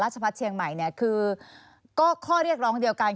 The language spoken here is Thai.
ราชภาษฐ์เชียงใหม่ก็ค่อเรียกร้องเดียวกัน